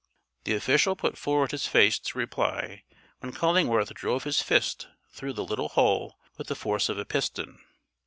The official put forward his face to reply when Cullingworth drove his fist through the little hole with the force of a piston.